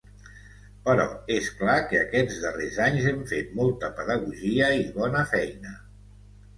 Però és clar que aquests darrers anys hem fet molta pedagogia i bona feina.